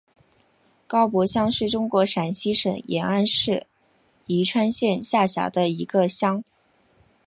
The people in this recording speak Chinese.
高柏乡是中国陕西省延安市宜川县下辖的一个乡。